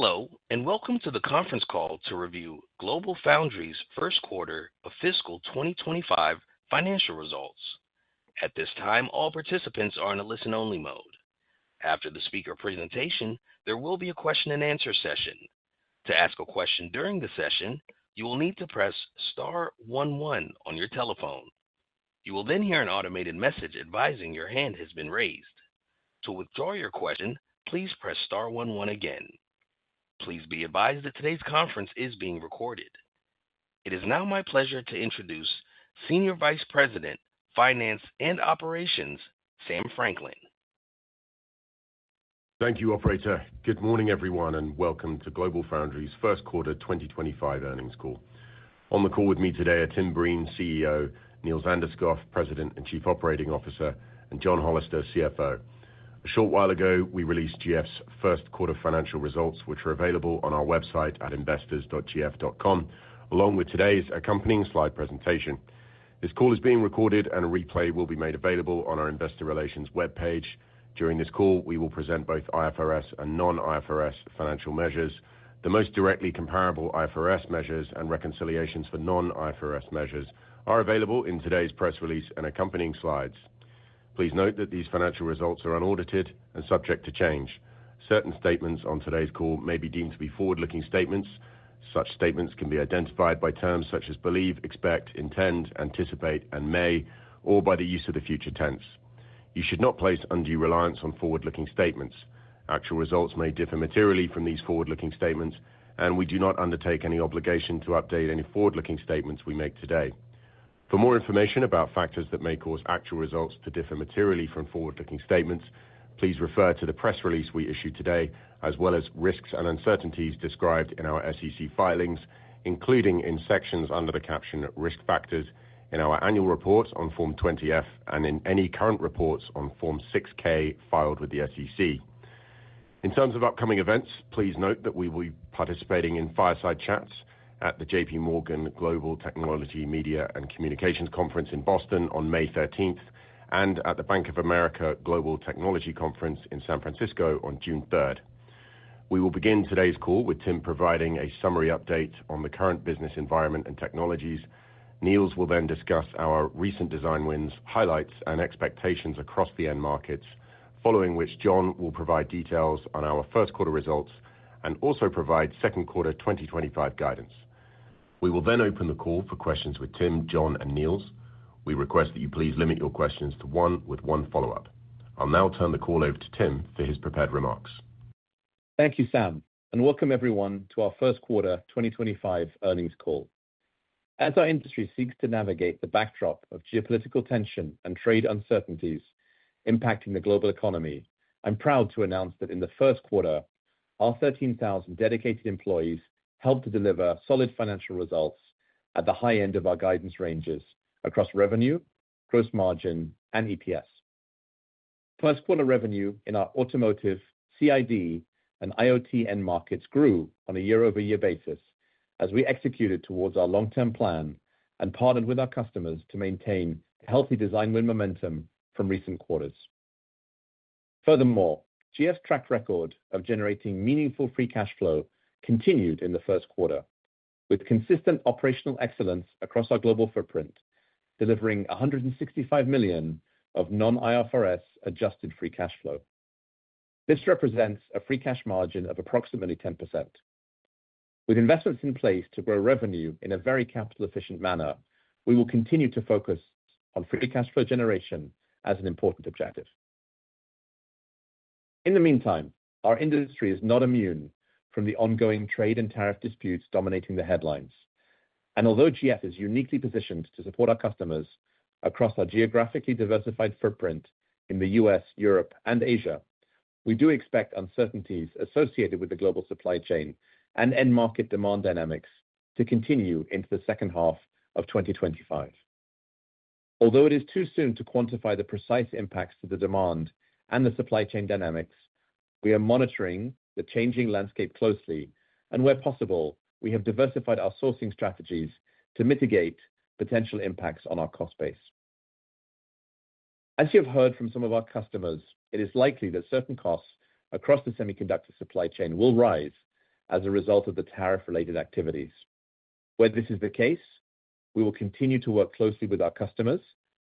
Hello, and welcome to the conference call to review GlobalFoundries' first quarter of fiscal 2025 financial results. At this time, all participants are in a listen-only mode. After the speaker presentation, there will be a question-and-answer session. To ask a question during the session, you will need to press star 11 on your telephone. You will then hear an automated message advising your hand has been raised. To withdraw your question, please press star 11 again. Please be advised that today's conference is being recorded. It is now my pleasure to introduce Senior Vice President, Finance and Operations, Sam Franklin. Thank you, Operator. Good morning, everyone, and welcome to GlobalFoundries' first quarter 2025 earnings call. On the call with me today are Tim Breen, CEO; Niels Anderskouv, President and Chief Operating Officer; and John Hollister, CFO. A short while ago, we released GF's first quarter financial results, which are available on our website at investors.gf.com, along with today's accompanying slide presentation. This call is being recorded, and a replay will be made available on our investor relations web page. During this call, we will present both IFRS and non-IFRS financial measures. The most directly comparable IFRS measures and reconciliations for non-IFRS measures are available in today's press release and accompanying slides. Please note that these financial results are unaudited and subject to change. Certain statements on today's call may be deemed to be forward-looking statements. Such statements can be identified by terms such as believe, expect, intend, anticipate, and may, or by the use of the future tense. You should not place undue reliance on forward-looking statements. Actual results may differ materially from these forward-looking statements, and we do not undertake any obligation to update any forward-looking statements we make today. For more information about factors that may cause actual results to differ materially from forward-looking statements, please refer to the press release we issue today, as well as risks and uncertainties described in our SEC filings, including in sections under the caption risk factors in our annual report on Form 20F and in any current reports on Form 6K filed with the SEC. In terms of upcoming events, please note that we will be participating in fireside chats at the J.P. Morgan Global Technology Media and Communications Conference in Boston on May 13th and at the Bank of America Global Technology Conference in San Francisco on June 3rd. We will begin today's call with Tim providing a summary update on the current business environment and technologies. Niels will then discuss our recent design wins, highlights, and expectations across the end markets, following which John will provide details on our first quarter results and also provide second quarter 2025 guidance. We will then open the call for questions with Tim, John, and Niels. We request that you please limit your questions to one with one follow-up. I'll now turn the call over to Tim for his prepared remarks. Thank you, Sam, and welcome everyone to our first quarter 2025 earnings call. As our industry seeks to navigate the backdrop of geopolitical tension and trade uncertainties impacting the global economy, I'm proud to announce that in the first quarter, our 13,000 dedicated employees helped to deliver solid financial results at the high end of our guidance ranges across revenue, gross margin, and EPS. First quarter revenue in our automotive, CID, and IoT end markets grew on a year-over-year basis as we executed towards our long-term plan and partnered with our customers to maintain healthy design win momentum from recent quarters. Furthermore, GF's track record of generating meaningful free cash flow continued in the first quarter, with consistent operational excellence across our global footprint, delivering $165 million of non-IFRS adjusted free cash flow. This represents a free cash margin of approximately 10%. With investments in place to grow revenue in a very capital-efficient manner, we will continue to focus on free cash flow generation as an important objective. In the meantime, our industry is not immune from the ongoing trade and tariff disputes dominating the headlines. Although GF is uniquely positioned to support our customers across our geographically diversified footprint in the U.S., Europe, and Asia, we do expect uncertainties associated with the global supply chain and end market demand dynamics to continue into the second half of 2025. Although it is too soon to quantify the precise impacts to the demand and the supply chain dynamics, we are monitoring the changing landscape closely, and where possible, we have diversified our sourcing strategies to mitigate potential impacts on our cost base. As you have heard from some of our customers, it is likely that certain costs across the semiconductor supply chain will rise as a result of the tariff-related activities. Where this is the case, we will continue to work closely with our customers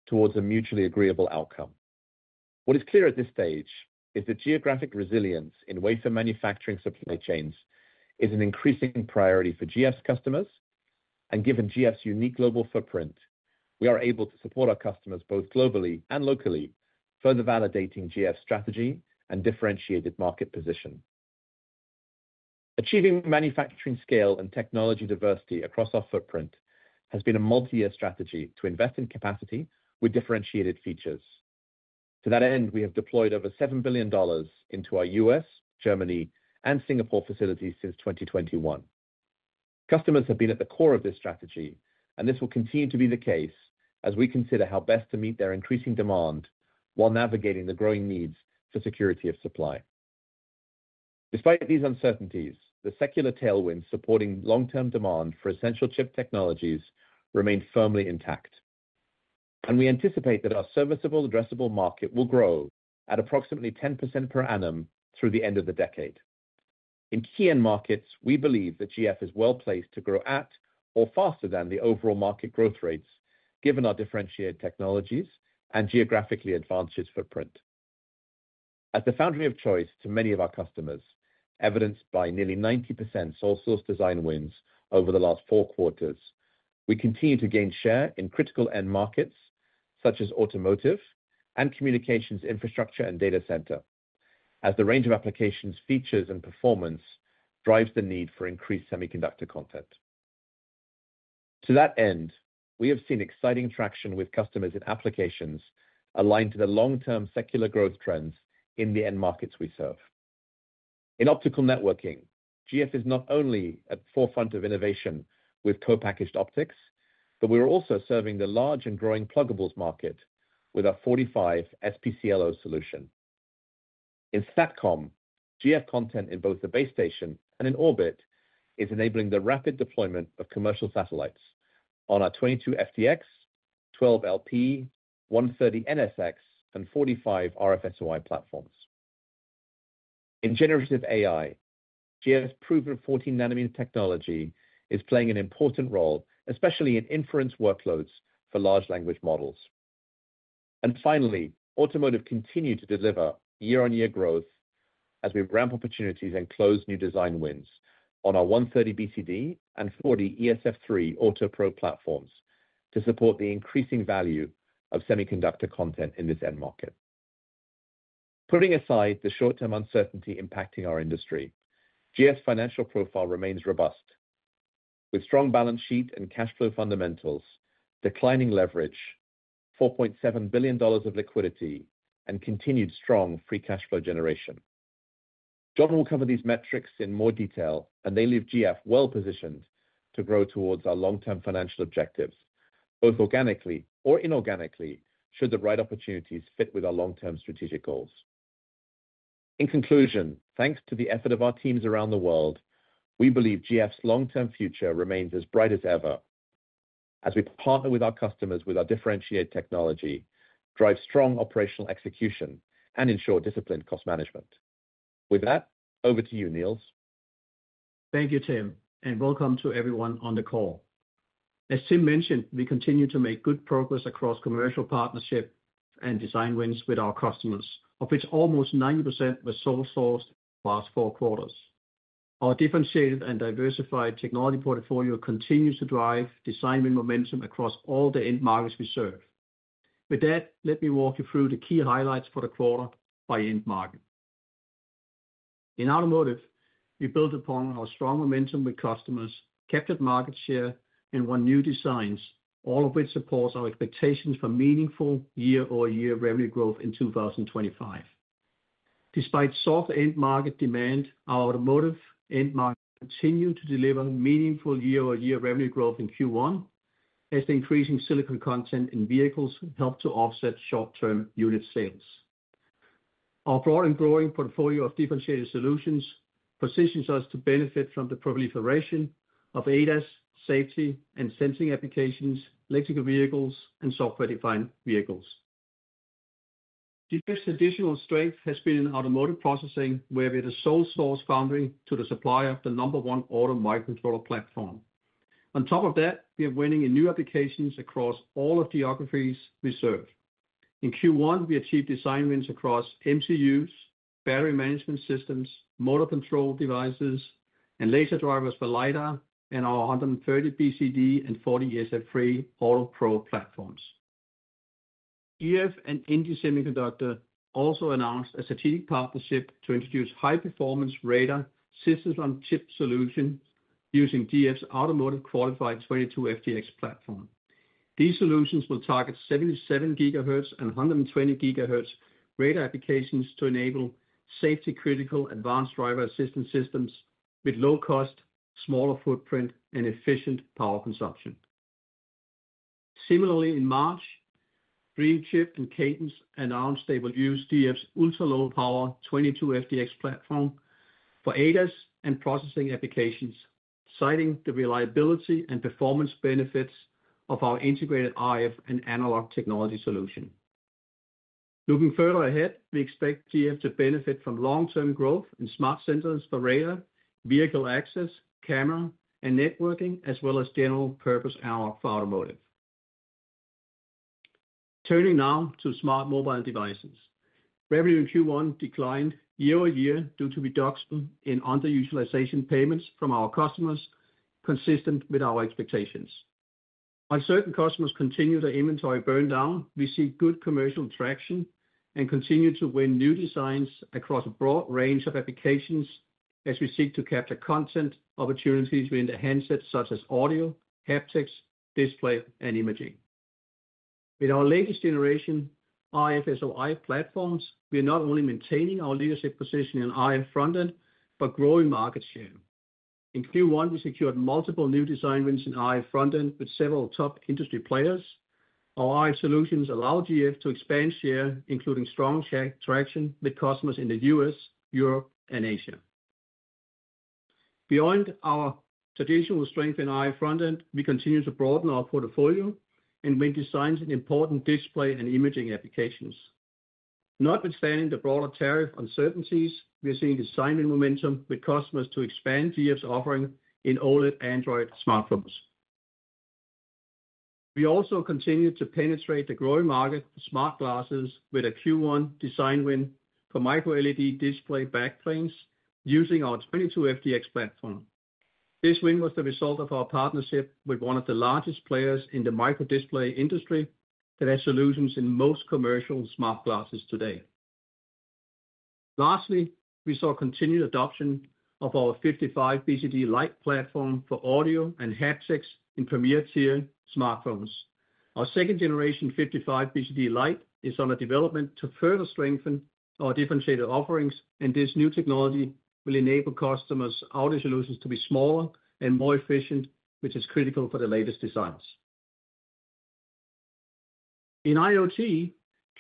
towards a mutually agreeable outcome. What is clear at this stage is that geographic resilience in wafer manufacturing supply chains is an increasing priority for GF's customers, and given GF's unique global footprint, we are able to support our customers both globally and locally, further validating GF's strategy and differentiated market position. Achieving manufacturing scale and technology diversity across our footprint has been a multi-year strategy to invest in capacity with differentiated features. To that end, we have deployed over $7 billion into our US, Germany, and Singapore facilities since 2021. Customers have been at the core of this strategy, and this will continue to be the case as we consider how best to meet their increasing demand while navigating the growing needs for security of supply. Despite these uncertainties, the secular tailwinds supporting long-term demand for essential chip technologies remain firmly intact, and we anticipate that our serviceable, addressable market will grow at approximately 10% per annum through the end of the decade. In key end markets, we believe that GF is well placed to grow at or faster than the overall market growth rates, given our differentiated technologies and geographically advanced footprint. As the foundry of choice to many of our customers, evidenced by nearly 90% sole-source design wins over the last four quarters, we continue to gain share in critical end markets such as automotive and communications infrastructure and data center, as the range of applications, features, and performance drives the need for increased semiconductor content. To that end, we have seen exciting traction with customers in applications aligned to the long-term secular growth trends in the end markets we serve. In optical networking, GF is not only at the forefront of innovation with co-packaged optics, but we are also serving the large and growing pluggable market with our 45 SPCLO solution. In SATCOM, GF content in both the base station and in orbit is enabling the rapid deployment of commercial satellites on our 22 FTX, 12 LP, 130 NSX, and 45 RFSOI platforms. In generative AI, GF's proven 14 nanometer technology is playing an important role, especially in inference workloads for large language models. Finally, automotive continues to deliver year-on-year growth as we ramp opportunities and close new design wins on our 130 BCD and 40 ESF3 Autopro platforms to support the increasing value of semiconductor content in this end market. Putting aside the short-term uncertainty impacting our industry, GF's financial profile remains robust, with strong balance sheet and cash flow fundamentals, declining leverage, $4.7 billion of liquidity, and continued strong free cash flow generation. John will cover these metrics in more detail, and they leave GF well positioned to grow towards our long-term financial objectives, both organically or inorganically, should the right opportunities fit with our long-term strategic goals. In conclusion, thanks to the effort of our teams around the world, we believe GF's long-term future remains as bright as ever as we partner with our customers with our differentiated technology, drive strong operational execution, and ensure disciplined cost management. With that, over to you, Niels. Thank you, Tim, and welcome to everyone on the call. As Tim mentioned, we continue to make good progress across commercial partnerships and design wins with our customers, of which almost 90% were sole-sourced in the past four quarters. Our differentiated and diversified technology portfolio continues to drive design win momentum across all the end markets we serve. With that, let me walk you through the key highlights for the quarter by end market. In automotive, we built upon our strong momentum with customers, captured market share, and won new designs, all of which support our expectations for meaningful year-over-year revenue growth in 2025. Despite soft end market demand, our automotive end market continued to deliver meaningful year-over-year revenue growth in Q1, as the increasing silicon content in vehicles helped to offset short-term unit sales. Our broad and growing portfolio of differentiated solutions positions us to benefit from the proliferation of ADAS, safety, and sensing applications, electrical vehicles, and software-defined vehicles. The biggest additional strength has been in automotive processing, where we are the sole-source foundry to the supplier of the number one auto microcontroller platform. On top of that, we are winning in new applications across all of the geographies we serve. In Q1, we achieved design wins across MCUs, battery management systems, motor control devices, and laser drivers for LiDAR and our 130 BCD and 40 ESF3 Autopro platforms. GF and Indie Semiconductor also announced a strategic partnership to introduce high-performance radar systems on chip solutions using GF's Automotive Qualified 22 FTX platform. These solutions will target 77 gigahertz and 120 gigahertz radar applications to enable safety-critical advanced driver assistance systems with low cost, smaller footprint, and efficient power consumption. Similarly, in March, Dreamchip and Cadence announced they will use GF's ultra-low power 22 FTX platform for ADAS and processing applications, citing the reliability and performance benefits of our integrated RF and analog technology solution. Looking further ahead, we expect GF to benefit from long-term growth in smart sensors for radar, vehicle access, camera, and networking, as well as general-purpose analog for automotive. Turning now to smart mobile devices, revenue in Q1 declined year-over-year due to reduction in underutilization payments from our customers, consistent with our expectations. While certain customers continue their inventory burndown, we see good commercial traction and continue to win new designs across a broad range of applications as we seek to capture content opportunities within the handset such as audio, haptics, display, and imaging. With our latest generation RFSOI platforms, we are not only maintaining our leadership position in RF front-end but growing market share. In Q1, we secured multiple new design wins in RF front-end with several top industry players. Our RF solutions allow GF to expand share, including strong traction with customers in the US, Europe, and Asia. Beyond our traditional strength in RF front-end, we continue to broaden our portfolio and win designs in important display and imaging applications. Notwithstanding the broader tariff uncertainties, we are seeing design win momentum with customers to expand GF's offering in OLED and Android smartphones. We also continue to penetrate the growing market for smart glasses with a Q1 design win for micro-LED display backplanes using our 22 FTX platform. This win was the result of our partnership with one of the largest players in the micro-display industry that has solutions in most commercial smart glasses today. Lastly, we saw continued adoption of our 55 BCD Lite platform for audio and haptics in premier-tier smartphones. Our second-generation 55 BCD Lite is under development to further strengthen our differentiated offerings, and this new technology will enable customers' audio solutions to be smaller and more efficient, which is critical for the latest designs. In IoT,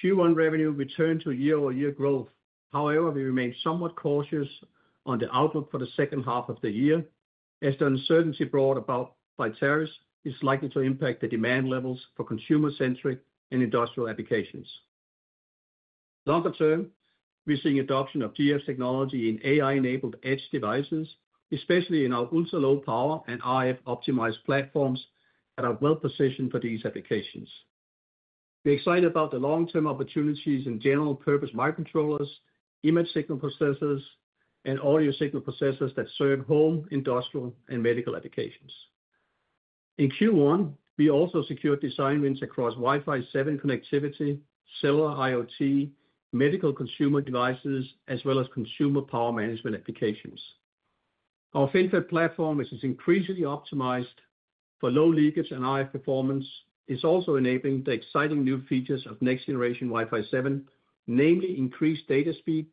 Q1 revenue returned to year-over-year growth. However, we remained somewhat cautious on the outlook for the second half of the year, as the uncertainty brought about by tariffs is likely to impact the demand levels for consumer-centric and industrial applications. Longer term, we are seeing adoption of GF technology in AI-enabled edge devices, especially in our ultra-low power and RF-optimized platforms that are well positioned for these applications. We are excited about the long-term opportunities in general-purpose microcontrollers, image signal processors, and audio signal processors that serve home industrial and medical applications. In Q1, we also secured design wins across Wi-Fi 7 connectivity, cellular IoT, medical consumer devices, as well as consumer power management applications. Our FinFET platform, which is increasingly optimized for low leakage and high performance, is also enabling the exciting new features of next-generation Wi-Fi 7, namely increased data speed,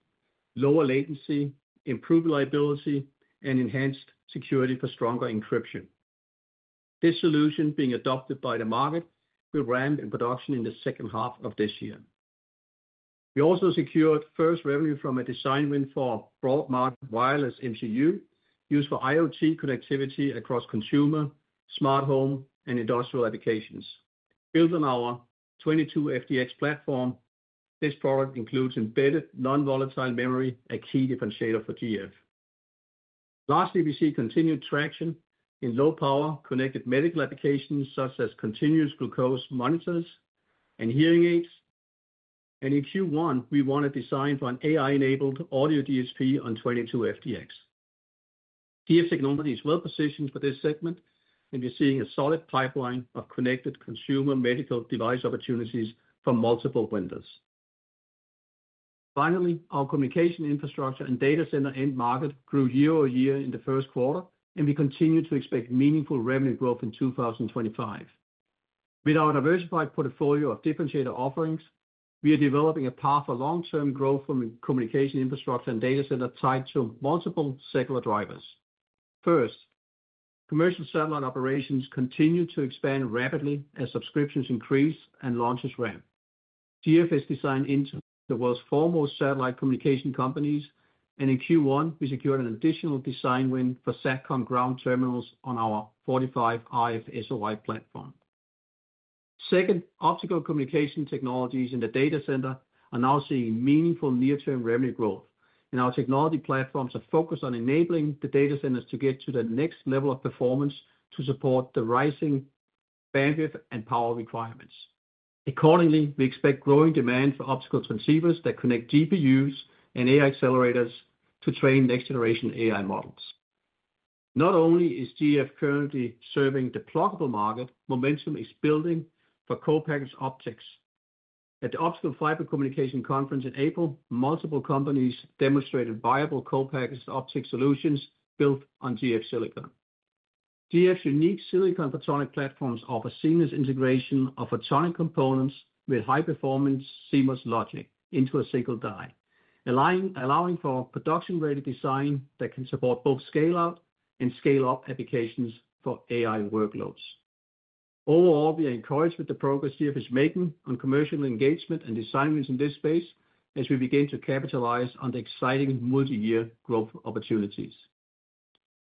lower latency, improved reliability, and enhanced security for stronger encryption. This solution, being adopted by the market, will ramp in production in the second half of this year. We also secured first revenue from a design win for broadband wireless MCU used for IoT connectivity across consumer, smart home, and industrial applications. Built on our 22 FTX platform, this product includes embedded non-volatile memory, a key differentiator for GF. Lastly, we see continued traction in low-power connected medical applications such as continuous glucose monitors and hearing aids, and in Q1, we won a design for an AI-enabled audio DSP on 22 FTX. GF technology is well positioned for this segment, and we are seeing a solid pipeline of connected consumer medical device opportunities from multiple vendors. Finally, our communication infrastructure and data center end market grew year-over-year in the first quarter, and we continue to expect meaningful revenue growth in 2025. With our diversified portfolio of differentiated offerings, we are developing a path for long-term growth from communication infrastructure and data center tied to multiple secular drivers. First, commercial satellite operations continue to expand rapidly as subscriptions increase and launches ramp. GF has designed into the world's foremost satellite communication companies, and in Q1, we secured an additional design win for SATCOM ground terminals on our 45 RFSOI platform. Second, optical communication technologies in the data center are now seeing meaningful near-term revenue growth, and our technology platforms are focused on enabling the data centers to get to the next level of performance to support the rising bandwidth and power requirements. Accordingly, we expect growing demand for optical transceivers that connect GPUs and AI accelerators to train next-generation AI models. Not only is GF currently serving the pluggable market, momentum is building for co-packaged optics. At the Optical Fiber Communication Conference in April, multiple companies demonstrated viable co-packaged optic solutions built on GF silicon. GF's unique silicon photonic platforms offer seamless integration of photonic components with high-performance seamless logic into a single die, allowing for production-ready design that can support both scale-out and scale-up applications for AI workloads. Overall, we are encouraged with the progress GF is making on commercial engagement and design wins in this space as we begin to capitalize on the exciting multi-year growth opportunities.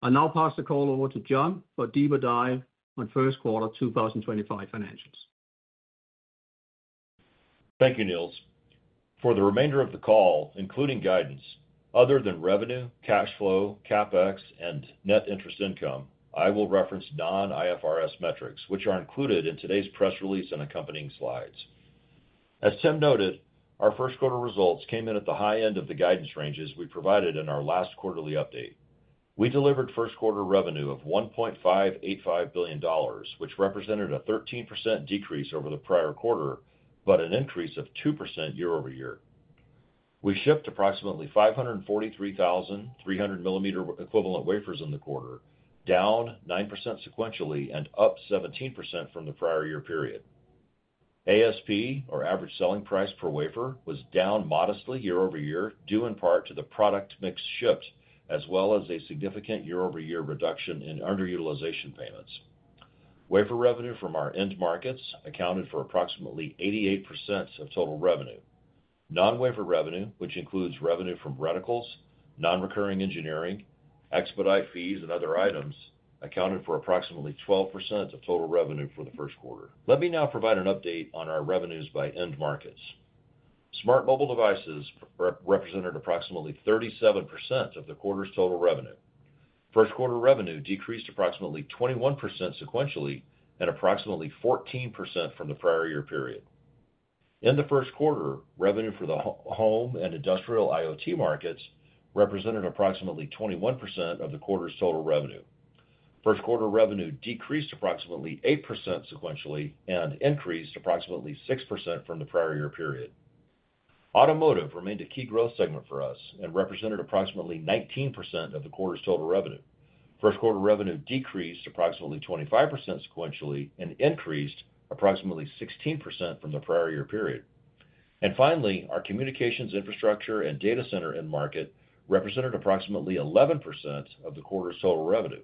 I'll now pass the call over to John for a deeper dive on first quarter 2025 financials. Thank you, Niels. For the remainder of the call, including guidance other than revenue, cash flow, CapEx, and net interest income, I will reference non-IFRS metrics, which are included in today's press release and accompanying slides. As Tim noted, our first quarter results came in at the high end of the guidance ranges we provided in our last quarterly update. We delivered first quarter revenue of $1.585 billion, which represented a 13% decrease over the prior quarter, but an increase of 2% year-over-year. We shipped approximately 543,300 millimeter equivalent wafers in the quarter, down 9% sequentially and up 17% from the prior year period. ASP, or average selling price per wafer, was down modestly year-over-year, due in part to the product mix shipped, as well as a significant year-over-year reduction in underutilization payments. Wafer revenue from our end markets accounted for approximately 88% of total revenue. Non-wafer revenue, which includes revenue from reticles, non-recurring engineering, expedite fees, and other items, accounted for approximately 12% of total revenue for the first quarter. Let me now provide an update on our revenues by end markets. Smart mobile devices represented approximately 37% of the quarter's total revenue. First quarter revenue decreased approximately 21% sequentially and approximately 14% from the prior year period. In the first quarter, revenue for the home and industrial IoT markets represented approximately 21% of the quarter's total revenue. First quarter revenue decreased approximately 8% sequentially and increased approximately 6% from the prior year period. Automotive remained a key growth segment for us and represented approximately 19% of the quarter's total revenue. First quarter revenue decreased approximately 25% sequentially and increased approximately 16% from the prior year period. Our communications infrastructure and data center end market represented approximately 11% of the quarter's total revenue.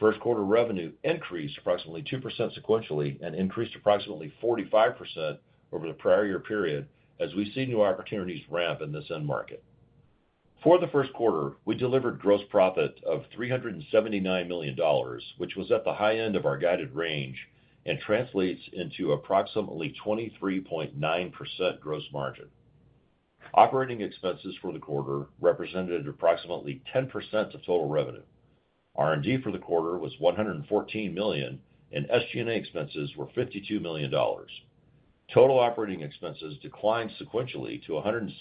First quarter revenue increased approximately 2% sequentially and increased approximately 45% over the prior year period as we see new opportunities ramp in this end market. For the first quarter, we delivered gross profit of $379 million, which was at the high end of our guided range and translates into approximately 23.9% gross margin. Operating expenses for the quarter represented approximately 10% of total revenue. R&D for the quarter was $114 million, and SG&A expenses were $52 million. Total operating expenses declined sequentially to $166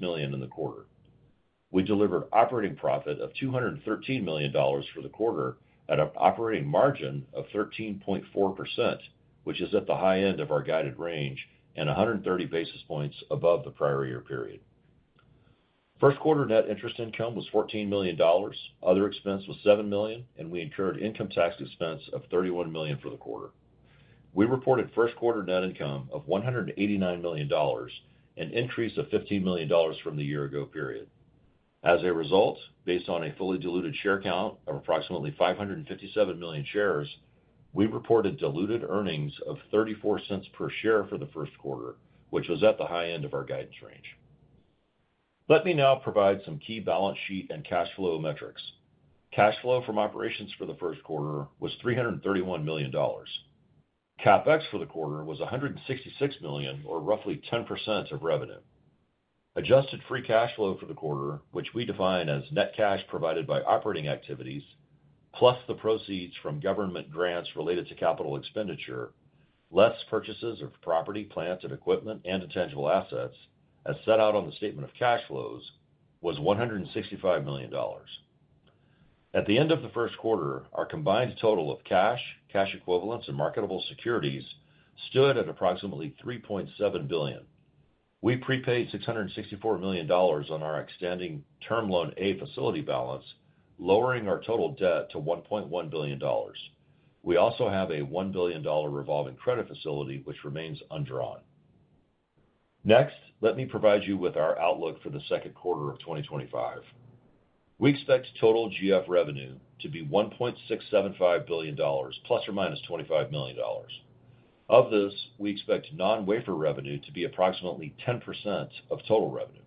million in the quarter. We delivered operating profit of $213 million for the quarter at an operating margin of 13.4%, which is at the high end of our guided range and 130 basis points above the prior year period. First quarter net interest income was $14 million. Other expense was $7 million, and we incurred income tax expense of $31 million for the quarter. We reported first quarter net income of $189 million, an increase of $15 million from the year-ago period. As a result, based on a fully diluted share count of approximately 557 million shares, we reported diluted earnings of $0.34 per share for the first quarter, which was at the high end of our guidance range. Let me now provide some key balance sheet and cash flow metrics. Cash flow from operations for the first quarter was $331 million. CapEx for the quarter was $166 million, or roughly 10% of revenue. Adjusted free cash flow for the quarter, which we define as net cash provided by operating activities + the proceeds from government grants related to capital expenditure less purchases of property, plants, equipment, and intangible assets, as set out on the statement of cash flows, was $165 million. At the end of the first quarter, our combined total of cash, cash equivalents, and marketable securities stood at approximately $3.7 billion. We prepaid $664 million on our extending term loan A facility balance, lowering our total debt to $1.1 billion. We also have a $1 billion revolving credit facility, which remains undrawn. Next, let me provide you with our outlook for the second quarter of 2025. We expect total GF revenue to be $1.675 billion, + or - $25 million. Of this, we expect non-wafer revenue to be approximately 10% of total revenue.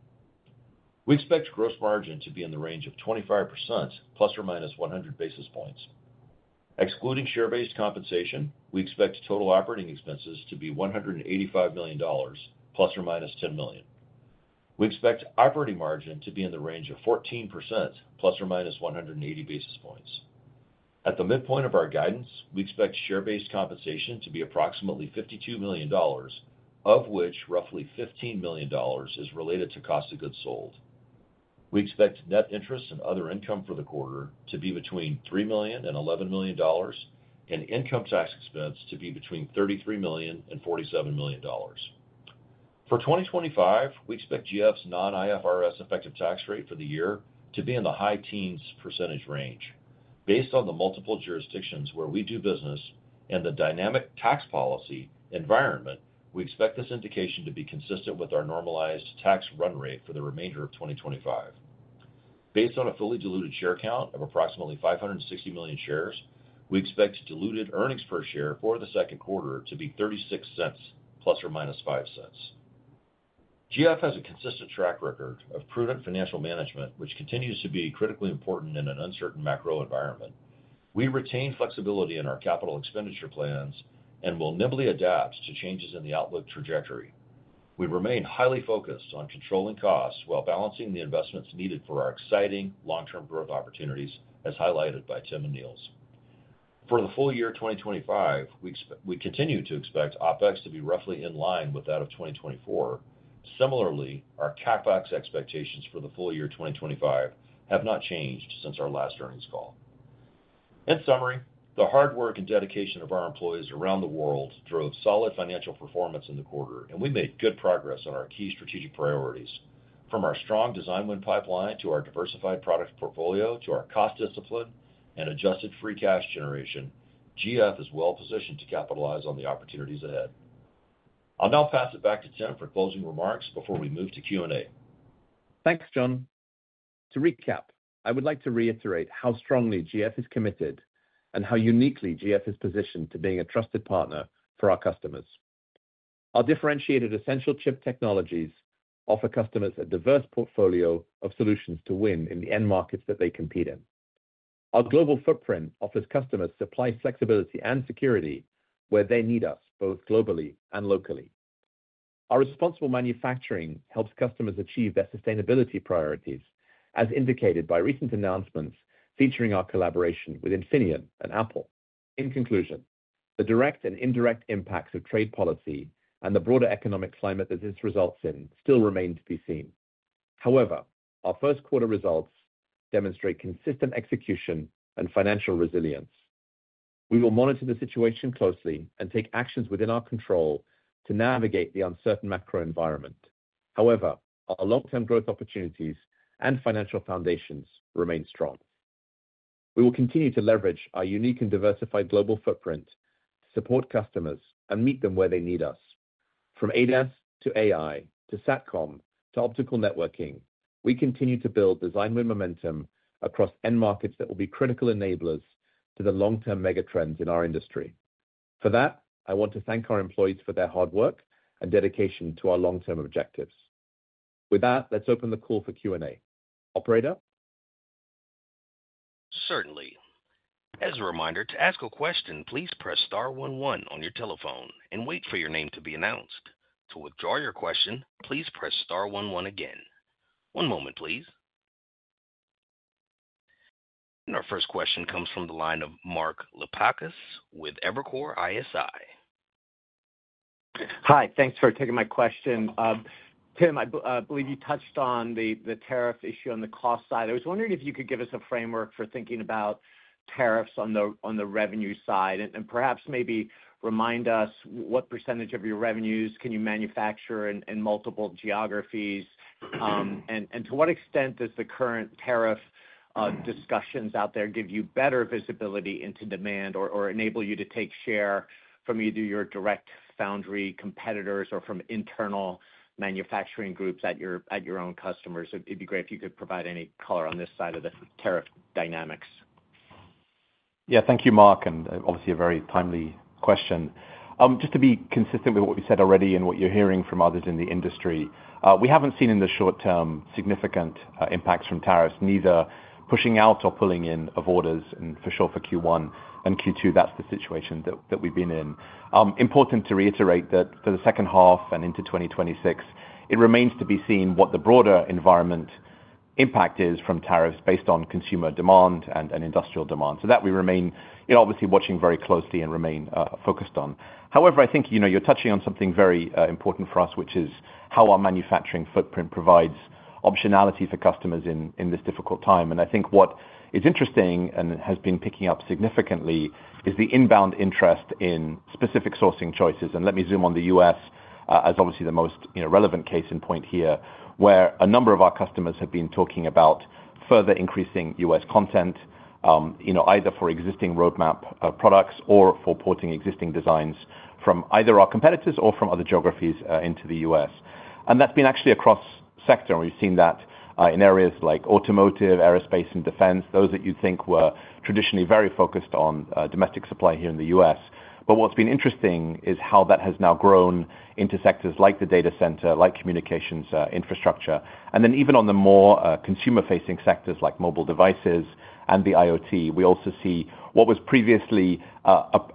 We expect gross margin to be in the range of 25% + or - 100 basis points. Excluding share-based compensation, we expect total operating expenses to be $185 million, + or - $10 million. We expect operating margin to be in the range of 14% + or - 180 basis points. At the midpoint of our guidance, we expect share-based compensation to be approximately $52 million, of which roughly $15 million is related to cost of goods sold. We expect net interest and other income for the quarter to be between $3 million and $11 million, and income tax expense to be between $33 million and $47 million. For 2025, we expect GF's non-IFRS effective tax rate for the year to be in the high teens % range. Based on the multiple jurisdictions where we do business and the dynamic tax policy environment, we expect this indication to be consistent with our normalized tax run rate for the remainder of 2025. Based on a fully diluted share count of approximately 560 million shares, we expect diluted earnings per share for the second quarter to be $0.36 + or - $0.05. GF has a consistent track record of prudent financial management, which continues to be critically important in an uncertain macro environment. We retain flexibility in our capital expenditure plans and will nimbly adapt to changes in the outlook trajectory. We remain highly focused on controlling costs while balancing the investments needed for our exciting long-term growth opportunities, as highlighted by Tim and Niels. For the full year 2025, we continue to expect OpEx to be roughly in line with that of 2024. Similarly, our CapEx expectations for the full year 2025 have not changed since our last earnings call. In summary, the hard work and dedication of our employees around the world drove solid financial performance in the quarter, and we made good progress on our key strategic priorities. From our strong design win pipeline to our diversified product portfolio to our cost discipline and adjusted free cash generation, GF is well positioned to capitalize on the opportunities ahead. I'll now pass it back to Tim for closing remarks before we move to Q&A. Thanks, John. To recap, I would like to reiterate how strongly GF is committed and how uniquely GF is positioned to being a trusted partner for our customers. Our differentiated essential chip technologies offer customers a diverse portfolio of solutions to win in the end markets that they compete in. Our global footprint offers customers supply flexibility and security where they need us, both globally and locally. Our responsible manufacturing helps customers achieve their sustainability priorities, as indicated by recent announcements featuring our collaboration with Infineon and Apple. In conclusion, the direct and indirect impacts of trade policy and the broader economic climate that this results in still remain to be seen. However, our first quarter results demonstrate consistent execution and financial resilience. We will monitor the situation closely and take actions within our control to navigate the uncertain macro environment. However, our long-term growth opportunities and financial foundations remain strong. We will continue to leverage our unique and diversified global footprint to support customers and meet them where they need us. From ADAS to AI to SATCOM to optical networking, we continue to build design win momentum across end markets that will be critical enablers to the long-term mega trends in our industry. For that, I want to thank our employees for their hard work and dedication to our long-term objectives. With that, let's open the call for Q&A. Operator? Certainly. As a reminder, to ask a question, please press star 11 on your telephone and wait for your name to be announced. To withdraw your question, please press star 11 again. One moment, please. Our first question comes from the line of Mark Lapakas with Evercore ISI. Hi, thanks for taking my question. Tim, I believe you touched on the tariff issue on the cost side. I was wondering if you could give us a framework for thinking about tariffs on the revenue side and perhaps maybe remind us what percentage of your revenues can you manufacture in multiple geographies? To what extent does the current tariff discussions out there give you better visibility into demand or enable you to take share from either your direct foundry competitors or from internal manufacturing groups at your own customers? It would be great if you could provide any color on this side of the tariff dynamics. Yeah, thank you, Mark, and obviously a very timely question. Just to be consistent with what we said already and what you're hearing from others in the industry, we haven't seen in the short term significant impacts from tariffs, neither pushing out or pulling in of orders, and for sure for Q1 and Q2, that's the situation that we've been in. Important to reiterate that for the second half and into 2026, it remains to be seen what the broader environment impact is from tariffs based on consumer demand and industrial demand. That we remain obviously watching very closely and remain focused on. However, I think you're touching on something very important for us, which is how our manufacturing footprint provides optionality for customers in this difficult time. I think what is interesting and has been picking up significantly is the inbound interest in specific sourcing choices. Let me zoom on the U.S. as obviously the most relevant case in point here, where a number of our customers have been talking about further increasing U.S. content, either for existing roadmap products or for porting existing designs from either our competitors or from other geographies into the U.S. That has been actually across sector, and we have seen that in areas like automotive, aerospace, and defense, those that you think were traditionally very focused on domestic supply here in the U.S. What has been interesting is how that has now grown into sectors like the data center, like communications infrastructure. Even on the more consumer-facing sectors like mobile devices and the IoT, we also see what was previously,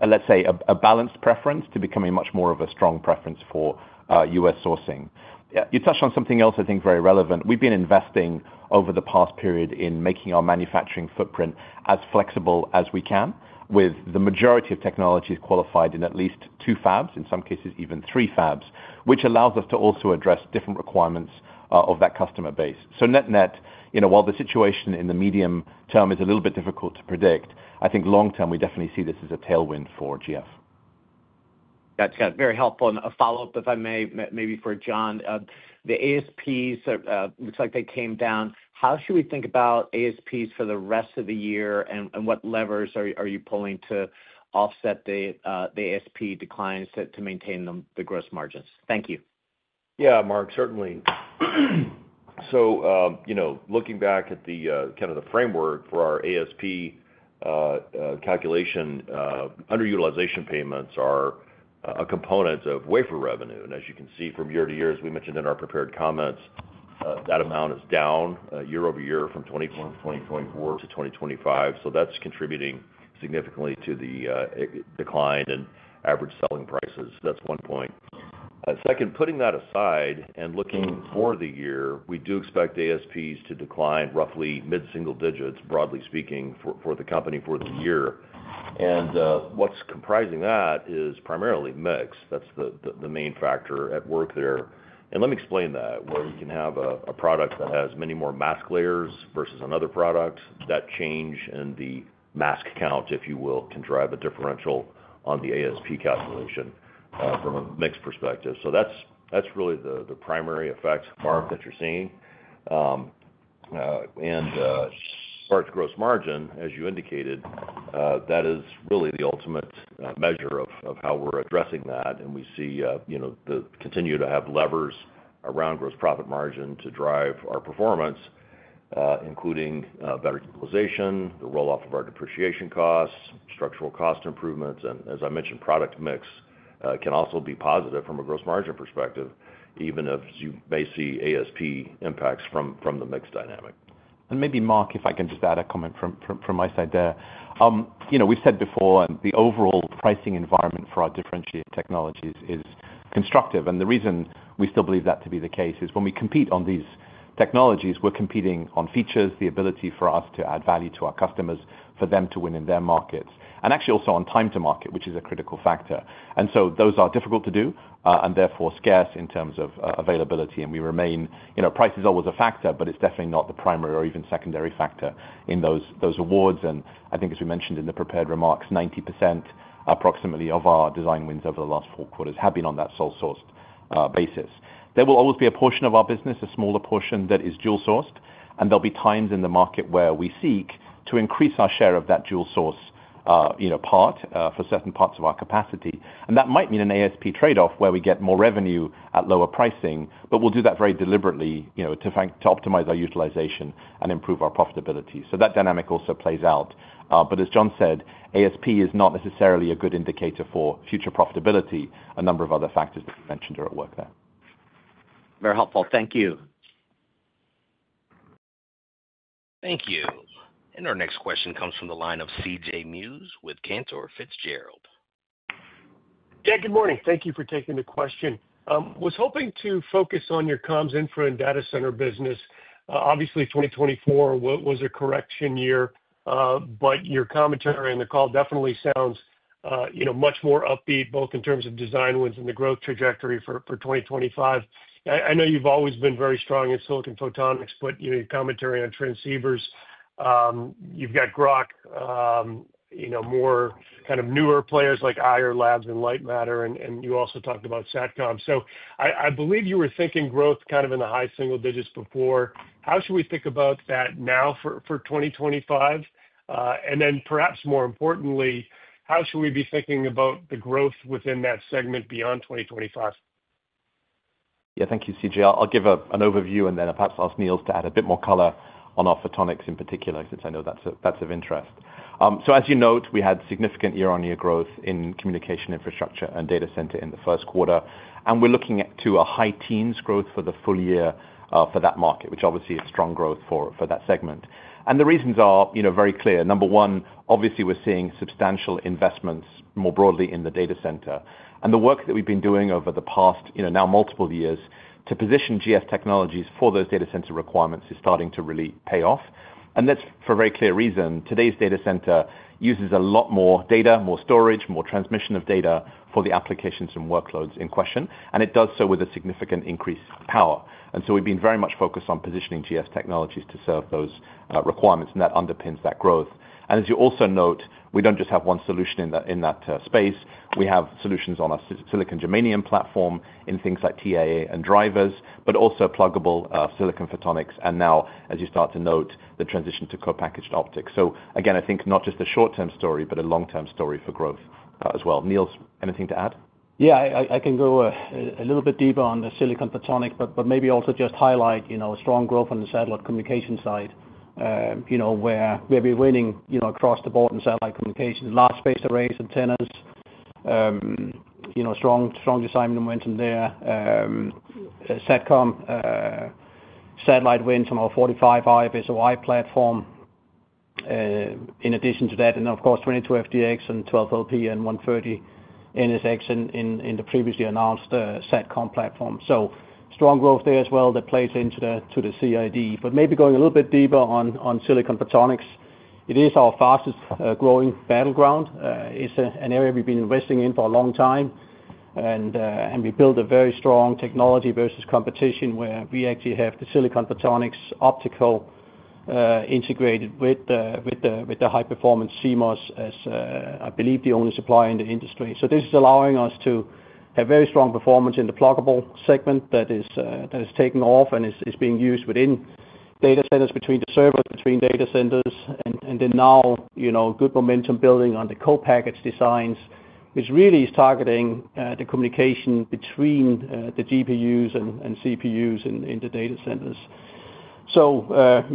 let's say, a balanced preference to becoming much more of a strong preference for U.S. sourcing. You touched on something else, I think, very relevant. We've been investing over the past period in making our manufacturing footprint as flexible as we can, with the majority of technologies qualified in at least two fabs, in some cases even three fabs, which allows us to also address different requirements of that customer base. Net-net, while the situation in the medium term is a little bit difficult to predict, I think long-term we definitely see this as a tailwind for GF. That's very helpful. A follow-up, if I may, maybe for John. The ASPs look like they came down. How should we think about ASPs for the rest of the year, and what levers are you pulling to offset the ASP declines to maintain the gross margins? Thank you. Yeah, Mark, certainly. Looking back at the kind of the framework for our ASP calculation, underutilization payments are a component of wafer revenue. As you can see from year to year, as we mentioned in our prepared comments, that amount is down year over year from 2024 to 2025. That is contributing significantly to the decline in average selling prices. That is one point. Second, putting that aside and looking for the year, we do expect ASPs to decline roughly mid-single digits, broadly speaking, for the company for the year. What is comprising that is primarily mix. That is the main factor at work there. Let me explain that, where we can have a product that has many more mask layers versus another product, that change in the mask count, if you will, can drive a differential on the ASP calculation from a mix perspective. That is really the primary effect, Mark, that you're seeing. As far as gross margin, as you indicated, that is really the ultimate measure of how we're addressing that. We continue to have levers around gross profit margin to drive our performance, including better utilization, the rolloff of our depreciation costs, structural cost improvements. As I mentioned, product mix can also be positive from a gross margin perspective, even if you may see ASP impacts from the mix dynamic. Maybe, Mark, if I can just add a comment from my side there. We've said before the overall pricing environment for our differentiated technologies is constructive. The reason we still believe that to be the case is when we compete on these technologies, we're competing on features, the ability for us to add value to our customers for them to win in their markets, and actually also on time to market, which is a critical factor. Those are difficult to do and therefore scarce in terms of availability. We remain, price is always a factor, but it's definitely not the primary or even secondary factor in those awards. I think, as we mentioned in the prepared remarks, 90% approximately of our design wins over the last four quarters have been on that sole-sourced basis. There will always be a portion of our business, a smaller portion that is dual-sourced, and there'll be times in the market where we seek to increase our share of that dual-source part for certain parts of our capacity. That might mean an ASP trade-off where we get more revenue at lower pricing, but we'll do that very deliberately to optimize our utilization and improve our profitability. That dynamic also plays out. As John said, ASP is not necessarily a good indicator for future profitability. A number of other factors that you mentioned are at work there. Very helpful. Thank you. Thank you. Our next question comes from the line of CJ Muse with Cantor Fitzgerald. Yeah, good morning. Thank you for taking the question. Was hoping to focus on your comms, infra, and data center business. Obviously, 2024 was a correction year, but your commentary on the call definitely sounds much more upbeat, both in terms of design wins and the growth trajectory for 2025. I know you've always been very strong in silicon photonics, but your commentary on transceivers, you've got Grok, more kind of newer players like IR Labs and Light Matter, and you also talked about SATCOM. I believe you were thinking growth kind of in the high single digits before. How should we think about that now for 2025? Perhaps more importantly, how should we be thinking about the growth within that segment beyond 2025? Yeah, thank you, CJ. I'll give an overview and then perhaps ask Niels to add a bit more color on our photonics in particular, since I know that's of interest. As you note, we had significant year-on-year growth in communication infrastructure and data center in the first quarter. We're looking to a high teens growth for the full year for that market, which obviously is strong growth for that segment. The reasons are very clear. Number one, obviously we're seeing substantial investments more broadly in the data center. The work that we've been doing over the past now multiple years to position GF technologies for those data center requirements is starting to really pay off. That's for a very clear reason. Today's data center uses a lot more data, more storage, more transmission of data for the applications and workloads in question. It does so with a significant increase in power. We have been very much focused on positioning GS technologies to serve those requirements, and that underpins that growth. As you also note, we do not just have one solution in that space. We have solutions on our silicon germanium platform in things like TAA and drivers, but also pluggable silicon photonics, and now, as you start to note, the transition to co-packaged optics. I think not just a short-term story, but a long-term story for growth as well. Niels, anything to add? Yeah, I can go a little bit deeper on the silicon photonics, but maybe also just highlight strong growth on the satellite communication side, where we're winning across the board in satellite communications, large space arrays and antennas, strong design momentum there. SATCOM satellite wins on our 45 RFSOI platform, in addition to that. Of course, 22 FDX and 12 LP and 130 NSX in the previously announced SATCOM platform. Strong growth there as well that plays into the CID. Maybe going a little bit deeper on silicon photonics, it is our fastest growing battleground. It's an area we've been investing in for a long time. We built a very strong technology versus competition where we actually have the silicon photonics optical integrated with the high-performance CMOS, as I believe the only supplier in the industry. This is allowing us to have very strong performance in the pluggable segment that is taking off and is being used within data centers, between the servers, between data centers. Now good momentum is building on the co-packaged designs, which really is targeting the communication between the GPUs and CPUs in the data centers.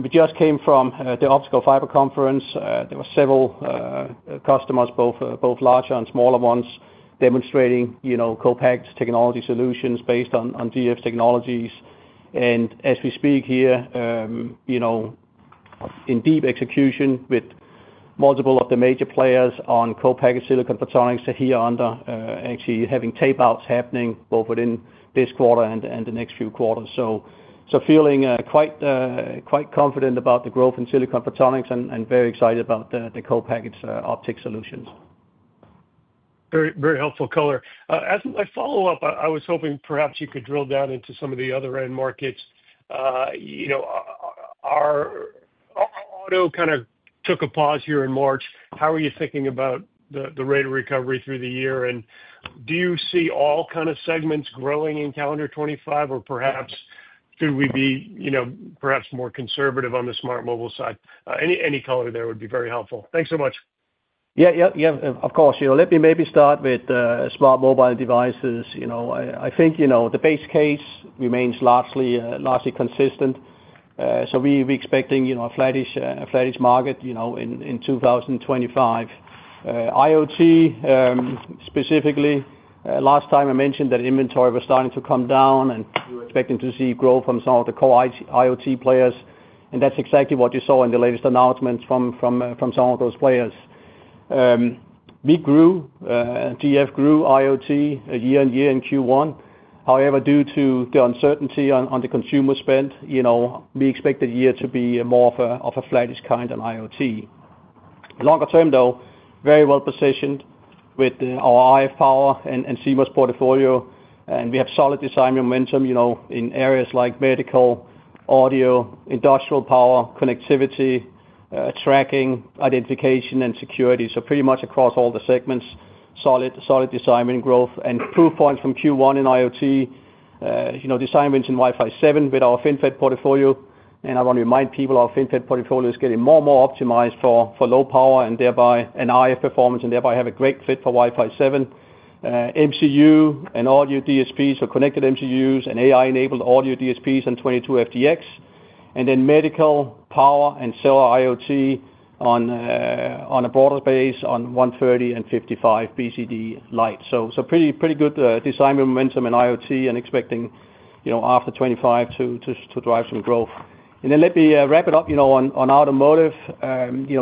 We just came from the Optical Fiber Conference. There were several customers, both larger and smaller ones, demonstrating co-packaged technology solutions based on GF technologies. As we speak here, in deep execution with multiple of the major players on co-packaged silicon photonics here, actually having tape-outs happening both within this quarter and the next few quarters. Feeling quite confident about the growth in silicon photonics and very excited about the co-packaged optic solutions. Very helpful color. As a follow-up, I was hoping perhaps you could drill down into some of the other end markets. Our auto kind of took a pause here in March. How are you thinking about the rate of recovery through the year? Do you see all kind of segments growing in calendar 2025, or perhaps should we be perhaps more conservative on the smart mobile side? Any color there would be very helpful. Thanks so much. Yeah, yeah, yeah. Of course. Let me maybe start with smart mobile devices. I think the base case remains largely consistent. We are expecting a flattish market in 2025. IoT specifically. Last time I mentioned that inventory was starting to come down, and we were expecting to see growth from some of the core IoT players. That is exactly what you saw in the latest announcements from some of those players. We grew, GF grew IoT year in year in Q1. However, due to the uncertainty on the consumer spend, we expect the year to be more of a flattish kind on IoT. Longer term, though, very well positioned with our IF power and CMOS portfolio. We have solid design momentum in areas like medical, audio, industrial power, connectivity, tracking, identification, and security. Pretty much across all the segments, solid design growth. Proof points from Q1 in IoT, design wins in Wi-Fi 7 with our FinFET portfolio. I want to remind people our FinFET portfolio is getting more and more optimized for low power and thereby an IF performance and thereby have a great fit for Wi-Fi 7. MCU and audio DSPs for connected MCUs and AI-enabled audio DSPs and 22 FDX. Medical, power, and cell IoT on a broader base on 130 and 55 BCD Lite. Pretty good design momentum in IoT and expecting after 2025 to drive some growth. Let me wrap it up on automotive.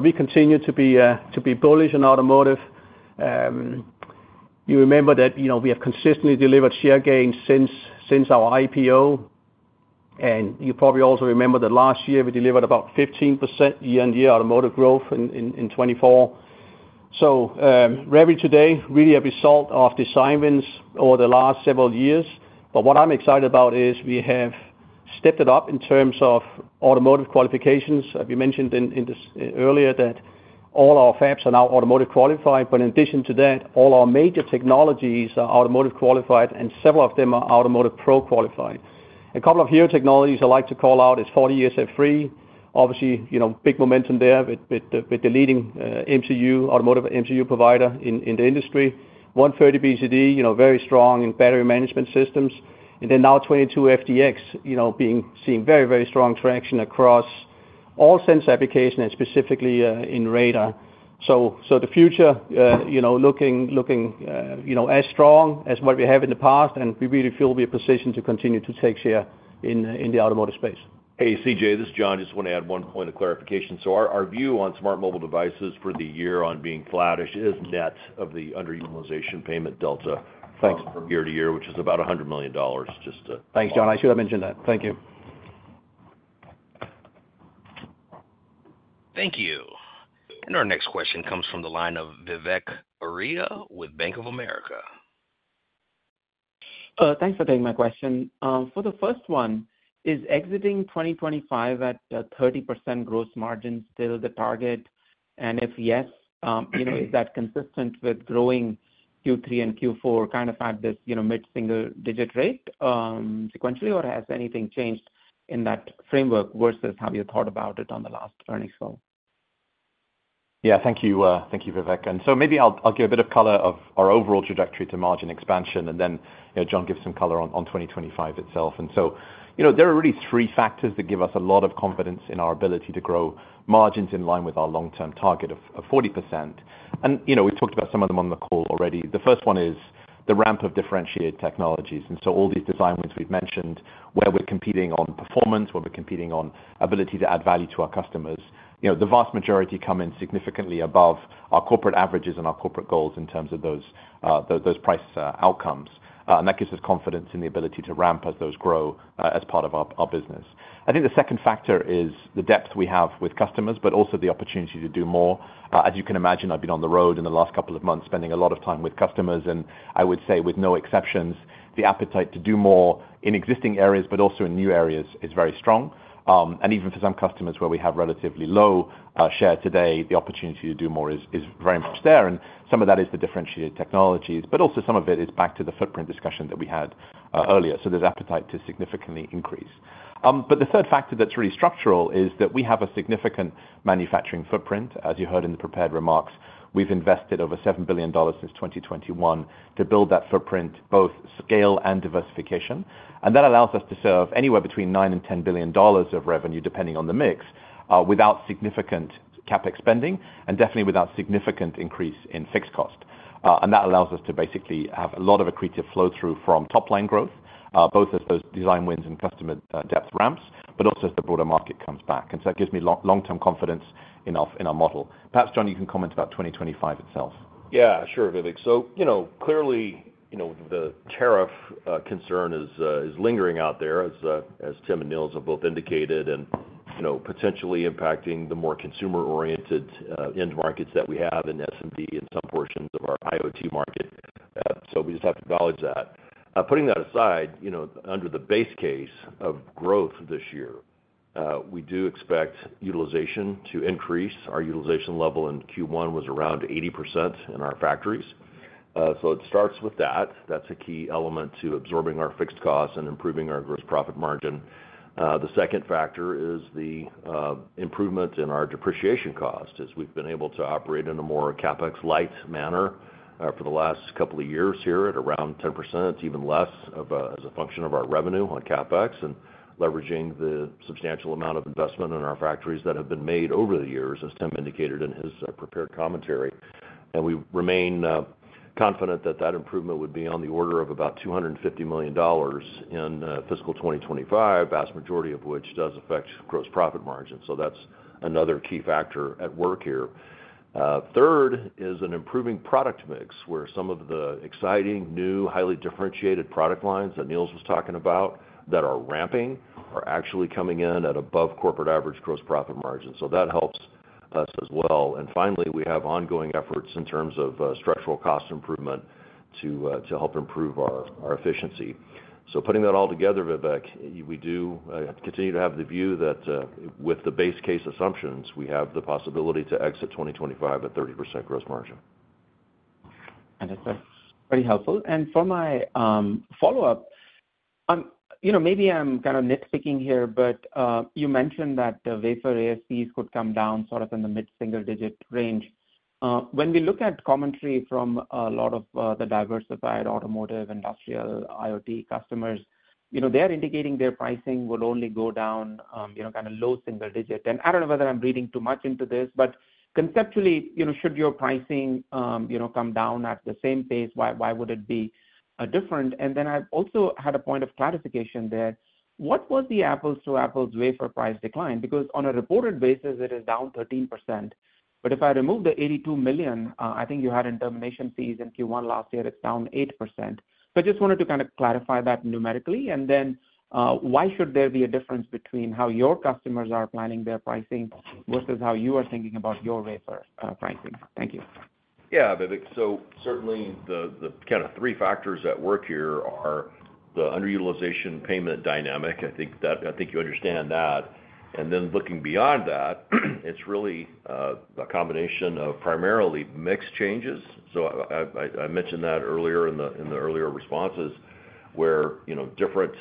We continue to be bullish in automotive. You remember that we have consistently delivered share gains since our IPO. You probably also remember that last year we delivered about 15% year-on-year automotive growth in 2024. Revenue today really a result of design wins over the last several years. What I'm excited about is we have stepped it up in terms of automotive qualifications. We mentioned earlier that all our fabs are now automotive qualified. In addition to that, all our major technologies are automotive qualified, and several of them are automotive pro qualified. A couple of technologies I'd like to call out is 40 ESF3, obviously big momentum there with the leading automotive MCU provider in the industry. 130 BCD, very strong in battery management systems. Now 22 FDX being seeing very, very strong traction across all sense applications and specifically in radar. The future looking as strong as what we have in the past, and we really feel we are positioned to continue to take share in the automotive space. Hey, CJ, this is John. Just want to add one point of clarification. Our view on smart mobile devices for the year on being flattish is net of the underutilization payment delta from year to year, which is about $100 million. Thanks, John. I should have mentioned that. Thank you. Thank you. Our next question comes from the line of Vivek Arya with Bank of America. Thanks for taking my question. For the first one, is exiting 2025 at 30% gross margin still the target? If yes, is that consistent with growing Q3 and Q4 kind of at this mid-single digit rate sequentially, or has anything changed in that framework versus how you thought about it on the last earnings call? Yeah, thank you, Vivek. Maybe I'll give a bit of color of our overall trajectory to margin expansion, and then John gives some color on 2025 itself. There are really three factors that give us a lot of confidence in our ability to grow margins in line with our long-term target of 40%. We've talked about some of them on the call already. The first one is the ramp of differentiated technologies. All these design wins we've mentioned, where we're competing on performance, where we're competing on ability to add value to our customers, the vast majority come in significantly above our corporate averages and our corporate goals in terms of those price outcomes. That gives us confidence in the ability to ramp as those grow as part of our business. I think the second factor is the depth we have with customers, but also the opportunity to do more. As you can imagine, I've been on the road in the last couple of months spending a lot of time with customers. I would say, with no exceptions, the appetite to do more in existing areas, but also in new areas, is very strong. Even for some customers where we have relatively low share today, the opportunity to do more is very much there. Some of that is the differentiated technologies, but also some of it is back to the footprint discussion that we had earlier. There is appetite to significantly increase. The third factor that's really structural is that we have a significant manufacturing footprint. As you heard in the prepared remarks, we've invested over $7 billion since 2021 to build that footprint, both scale and diversification. That allows us to serve anywhere between $9 billion and $10 billion of revenue, depending on the mix, without significant CapEx spending, and definitely without significant increase in fixed cost. That allows us to basically have a lot of accretive flow-through from top-line growth, both as those design wins and customer depth ramps, but also as the broader market comes back. That gives me long-term confidence in our model. Perhaps, John, you can comment about 2025 itself. Yeah, sure, Vivek. Clearly, the tariff concern is lingering out there, as Tim and Niels have both indicated, and potentially impacting the more consumer-oriented end markets that we have in SMD and some portions of our IoT market. We just have to acknowledge that. Putting that aside, under the base case of growth this year, we do expect utilization to increase. Our utilization level in Q1 was around 80% in our factories. It starts with that. That is a key element to absorbing our fixed costs and improving our gross profit margin. The second factor is the improvement in our depreciation cost, as we've been able to operate in a more CapEx-light manner for the last couple of years here at around 10%, even less, as a function of our revenue on CapEx and leveraging the substantial amount of investment in our factories that have been made over the years, as Tim indicated in his prepared commentary. We remain confident that that improvement would be on the order of about $250 million in fiscal 2025, vast majority of which does affect gross profit margin. That is another key factor at work here. Third is an improving product mix, where some of the exciting new highly differentiated product lines that Niels was talking about that are ramping are actually coming in at above corporate average gross profit margin. That helps us as well. We have ongoing efforts in terms of structural cost improvement to help improve our efficiency. Putting that all together, Vivek, we do continue to have the view that with the base case assumptions, we have the possibility to exit 2025 at 30% gross margin. That's very helpful. For my follow-up, maybe I'm kind of nitpicking here, but you mentioned that the wafer ASPs could come down sort of in the mid-single digit range. When we look at commentary from a lot of the diversified automotive, industrial, IoT customers, they are indicating their pricing will only go down kind of low single digit. I don't know whether I'm reading too much into this, but conceptually, should your pricing come down at the same pace, why would it be different? I also had a point of clarification there. What was the apples-to-apples wafer price decline? Because on a reported basis, it is down 13%. If I remove the $82 million I think you had in termination fees in Q1 last year, it's down 8%. I just wanted to kind of clarify that numerically. Why should there be a difference between how your customers are planning their pricing versus how you are thinking about your wafer pricing? Thank you. Yeah, Vivek. Certainly the kind of three factors at work here are the underutilization payment dynamic. I think you understand that. Looking beyond that, it's really a combination of primarily mix changes. I mentioned that earlier in the earlier responses, where different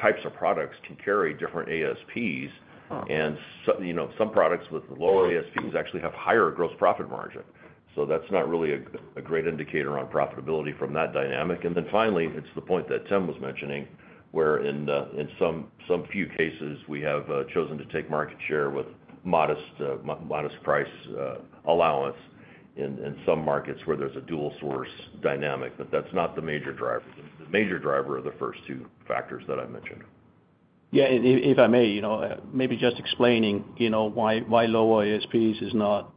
types of products can carry different ASPs. Some products with lower ASPs actually have higher gross profit margin. That's not really a great indicator on profitability from that dynamic. Finally, it's the point that Tim was mentioning, where in some few cases, we have chosen to take market share with modest price allowance in some markets where there's a dual-source dynamic. That's not the major driver. The major driver are the first two factors that I mentioned. Yeah, and if I may, maybe just explaining why lower ASPs is not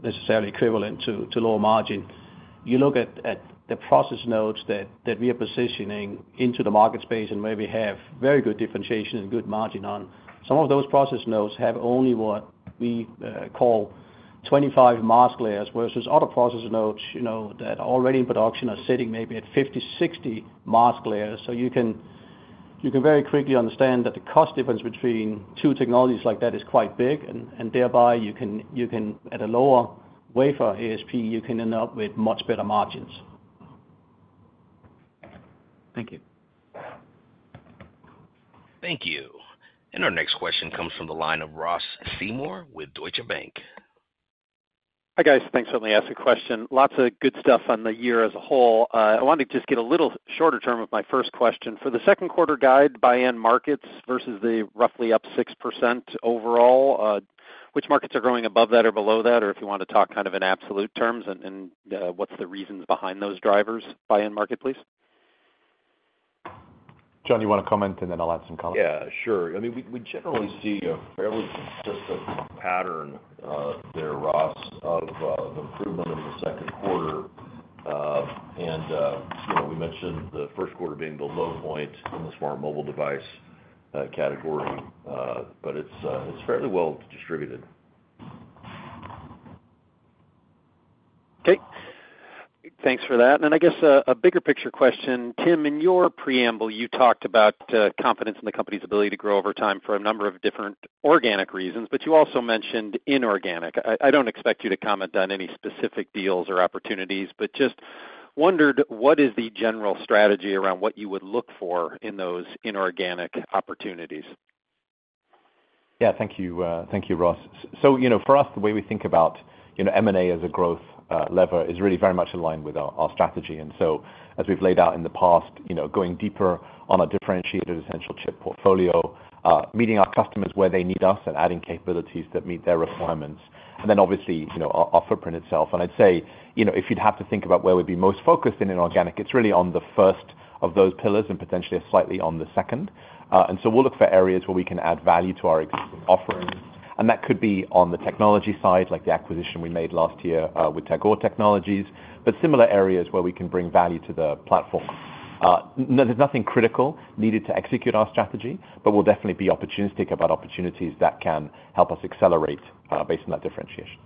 necessarily equivalent to lower margin. You look at the process nodes that we are positioning into the market space and where we have very good differentiation and good margin on. Some of those process nodes have only what we call 25 mask layers versus other process nodes that are already in production are sitting maybe at 50, 60 mask layers. You can very quickly understand that the cost difference between two technologies like that is quite big. Thereby, you can at a lower wafer ASP, you can end up with much better margins. Thank you. Thank you. Our next question comes from the line of Ross Seymour with Deutsche Bank. Hi guys. Thanks for letting me ask a question. Lots of good stuff on the year as a whole. I wanted to just get a little shorter term of my first question. For the second quarter guide, buy-in markets versus the roughly up 6% overall, which markets are growing above that or below that? Or if you want to talk kind of in absolute terms, and what's the reasons behind those drivers? Buy-in market, please. John, you want to comment, and then I'll add some comments. Yeah, sure. I mean, we generally see a fairly consistent pattern there, Ross, of the improvement in the second quarter. I mean, we mentioned the first quarter being the low point in the smart mobile device category, but it's fairly well distributed. Okay. Thanks for that. I guess a bigger picture question. Tim, in your preamble, you talked about confidence in the company's ability to grow over time for a number of different organic reasons, but you also mentioned inorganic. I don't expect you to comment on any specific deals or opportunities, but just wondered what is the general strategy around what you would look for in those inorganic opportunities? Yeah, thank you, Ross. For us, the way we think about M&A as a growth lever is really very much aligned with our strategy. As we've laid out in the past, going deeper on a differentiated essential chip portfolio, meeting our customers where they need us, and adding capabilities that meet their requirements. Obviously our footprint itself. I'd say if you'd have to think about where we'd be most focused in inorganic, it's really on the first of those pillars and potentially slightly on the second. We'll look for areas where we can add value to our existing offering. That could be on the technology side, like the acquisition we made last year with Tagore Technologies, but similar areas where we can bring value to the platform. There's nothing critical needed to execute our strategy, but we'll definitely be opportunistic about opportunities that can help us accelerate based on that differentiation.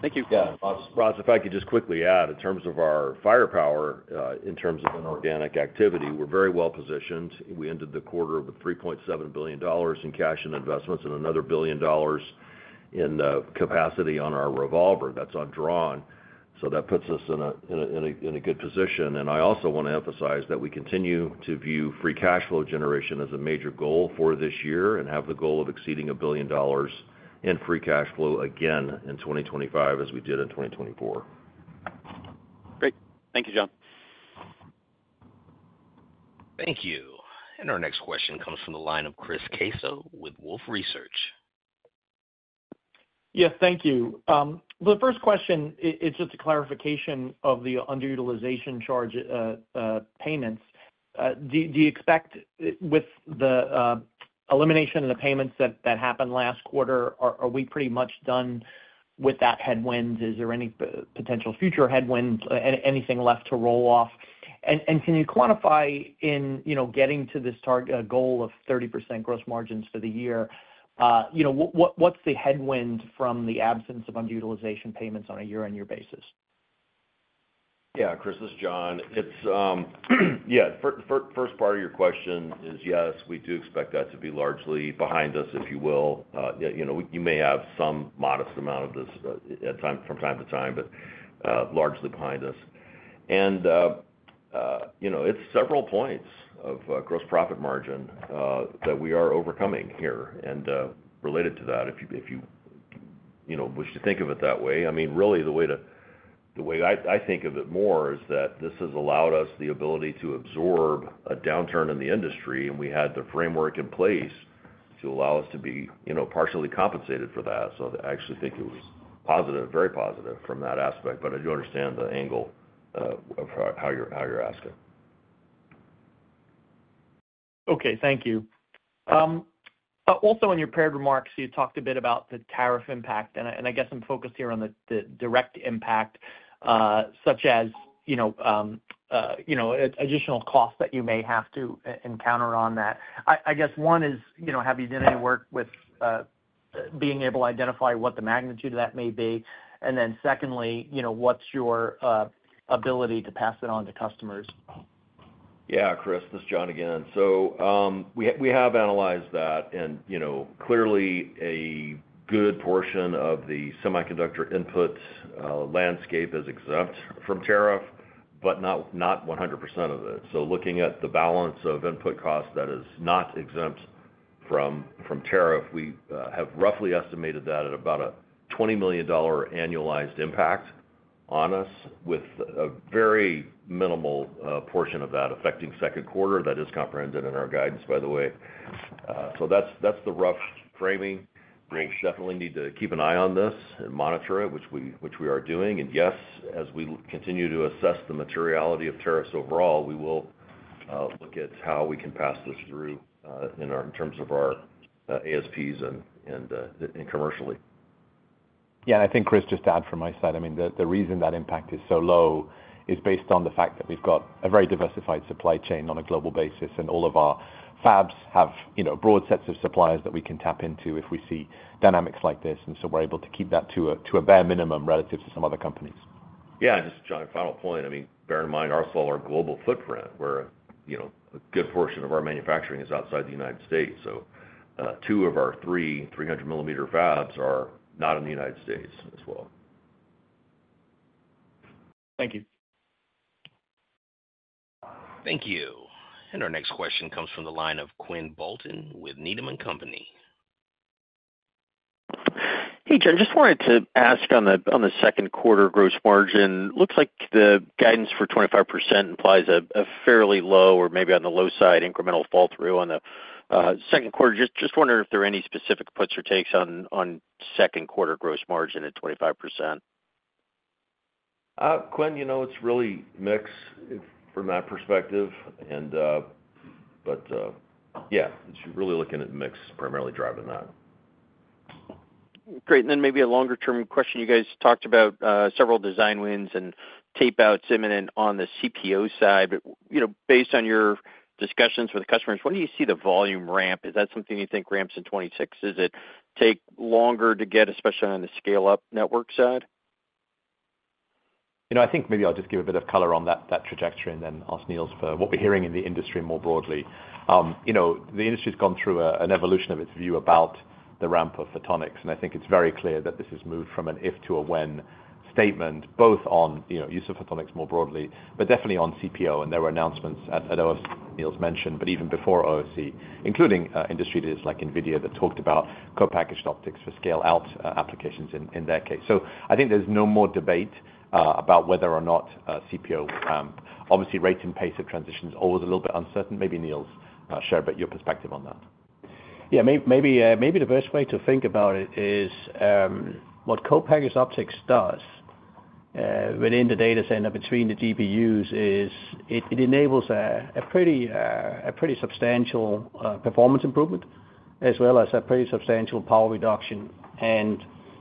Thank you. Yeah. Ross, if I could just quickly add, in terms of our firepower, in terms of inorganic activity, we're very well positioned. We ended the quarter with $3.7 billion in cash and investments and another $1 billion in capacity on our revolver. That's undrawn. That puts us in a good position. I also want to emphasize that we continue to view free cash flow generation as a major goal for this year and have the goal of exceeding $1 billion in free cash flow again in 2025 as we did in 2024. Great. Thank you, John. Thank you. Our next question comes from the line of Chris Caeso with Wolfe Research. Yeah, thank you. The first question, it's just a clarification of the underutilization charge payments. Do you expect with the elimination of the payments that happened last quarter, are we pretty much done with that headwind? Is there any potential future headwinds, anything left to roll off? Can you quantify in getting to this target goal of 30% gross margins for the year, what's the headwind from the absence of underutilization payments on a year-on-year basis? Yeah, Chris, this is John. Yeah, the first part of your question is yes, we do expect that to be largely behind us, if you will. You may have some modest amount of this from time to time, but largely behind us. It is several points of gross profit margin that we are overcoming here. Related to that, if you wish to think of it that way, I mean, really the way I think of it more is that this has allowed us the ability to absorb a downturn in the industry, and we had the framework in place to allow us to be partially compensated for that. I actually think it was positive, very positive from that aspect. I do understand the angle of how you're asking. Okay, thank you. Also in your prepared remarks, you talked a bit about the tariff impact. I guess I'm focused here on the direct impact, such as additional costs that you may have to encounter on that. I guess one is, have you done any work with being able to identify what the magnitude of that may be? Secondly, what's your ability to pass it on to customers? Yeah, Chris, this is John again. We have analyzed that. Clearly, a good portion of the semiconductor input landscape is exempt from tariff, but not 100% of it. Looking at the balance of input costs that is not exempt from tariff, we have roughly estimated that at about a $20 million annualized impact on us, with a very minimal portion of that affecting second quarter. That is comprehended in our guidance, by the way. That is the rough framing. We definitely need to keep an eye on this and monitor it, which we are doing. Yes, as we continue to assess the materiality of tariffs overall, we will look at how we can pass this through in terms of our ASPs and commercially. Yeah, and I think Chris, just to add from my side, I mean, the reason that impact is so low is based on the fact that we've got a very diversified supply chain on a global basis, and all of our fabs have broad sets of suppliers that we can tap into if we see dynamics like this. We are able to keep that to a bare minimum relative to some other companies. Yeah, just to draw a final point, I mean, bear in mind our global footprint, where a good portion of our manufacturing is outside the U.S. Two of our three 300-millimeter fabs are not in the U.S. as well. Thank you. Thank you. Our next question comes from the line of Quinn Bolton with Needham & Company. Hey, John, just wanted to ask on the second quarter gross margin. Looks like the guidance for 25% implies a fairly low or maybe on the low side incremental fall-through on the second quarter. Just wondering if there are any specific puts or takes on second quarter gross margin at 25%. Quinn, it's really mixed from that perspective. Yeah, it's really looking at mixed primarily driving that. Great. Maybe a longer-term question. You guys talked about several design wins and tapeouts imminent on the CPO side. Based on your discussions with customers, when do you see the volume ramp? Is that something you think ramps in 2026? Does it take longer to get, especially on the scale-up network side? I think maybe I'll just give a bit of color on that trajectory and then ask Niels for what we're hearing in the industry more broadly. The industry has gone through an evolution of its view about the ramp of photonics. I think it's very clear that this has moved from an if to a when statement, both on use of photonics more broadly, but definitely on CPO. There were announcements at OSC, Niels mentioned, but even before OSC, including industry leaders like NVIDIA that talked about co-packaged optics for scale-out applications in their case. I think there's no more debate about whether or not CPO ramp. Obviously, rate and pace of transition is always a little bit uncertain. Maybe Niels, share a bit of your perspective on that. Yeah, maybe the best way to think about it is what co-packaged optics does within the data center between the GPUs is it enables a pretty substantial performance improvement as well as a pretty substantial power reduction.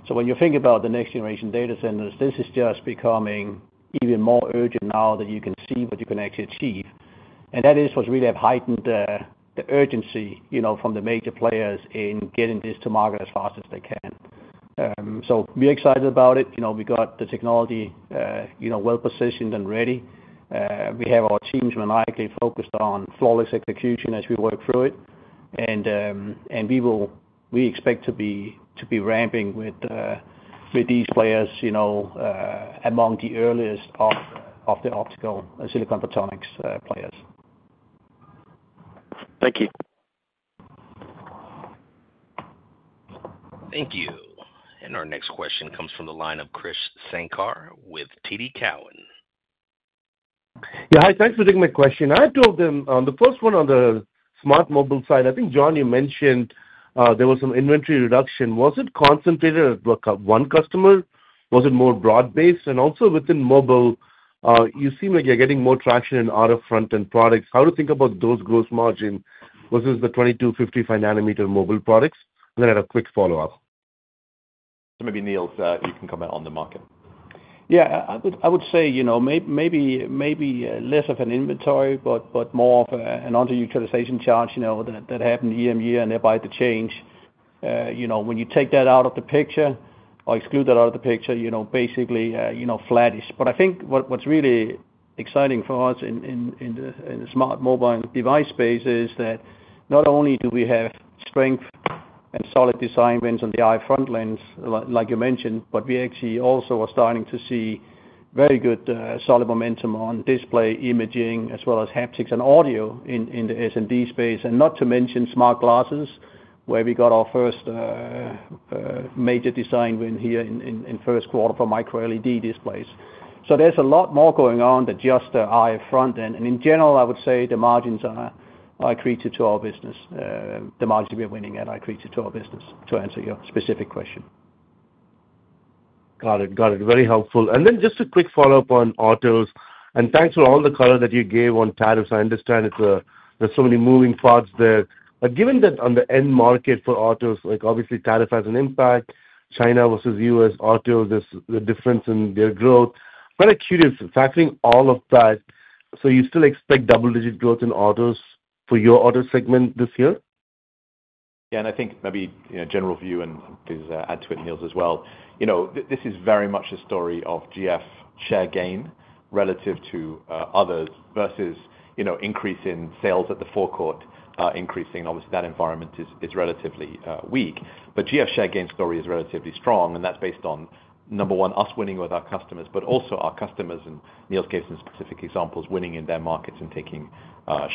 When you think about the next generation data centers, this is just becoming even more urgent now that you can see what you can actually achieve. That is what has really heightened the urgency from the major players in getting this to market as fast as they can. We are excited about it. We have the technology well positioned and ready. We have our teams who can focus on flawless execution as we work through it. We expect to be ramping with these players among the earliest of the optical silicon photonics players. Thank you. Thank you. Our next question comes from the line of Chris Sankar with TD Cowen. Yeah, hi, thanks for taking my question. I have two of them. The first one on the smart mobile side, I think John, you mentioned there was some inventory reduction. Was it concentrated at one customer? Was it more broad-based? Also within mobile, you seem like you're getting more traction in out-of-front-end products. How do you think about those gross margin versus the 22 nanometer, 55 nanometer mobile products? I have a quick follow-up. Maybe Niels, you can comment on the market. Yeah, I would say maybe less of an inventory, but more of an underutilization charge that happened year-on-year and they buy the change. When you take that out of the picture or exclude that out of the picture, basically flattish. I think what's really exciting for us in the smart mobile device space is that not only do we have strength and solid design wins on the eye front lens, like you mentioned, but we actually also are starting to see very good solid momentum on display imaging as well as haptics and audio in the S&D space. Not to mention smart glasses, where we got our first major design win here in first quarter for micro-LED displays. There's a lot more going on than just the eye front end. In general, I would say the margins are accretive to our business. The margins we are winning are accretive to our business, to answer your specific question. Got it. Got it. Very helpful. Just a quick follow-up on autos. Thanks for all the color that you gave on tariffs. I understand there's so many moving parts there. Given that on the end market for autos, obviously tariff has an impact, China versus U.S. autos, the difference in their growth. I'm curious, factoring all of that, do you still expect double-digit growth in autos for your auto segment this year? Yeah, and I think maybe general view, and please add to it, Niels, as well. This is very much a story of GF share gain relative to others versus increase in sales at the forecourt increasing. Obviously, that environment is relatively weak. GF share gain story is relatively strong. That is based on, number one, us winning with our customers, but also our customers, and Niels gave some specific examples, winning in their markets and taking